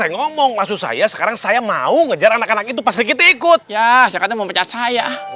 ngomong hal sudah saya sekarang saya mau ngajar anak itu pasri kita ikut nah sekarang memuja saya